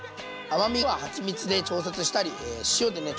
甘みははちみつで調節したり塩でね